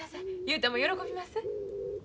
雄太も喜びます。